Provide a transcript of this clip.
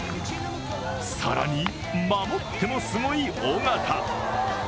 更に、守ってもすごい緒方。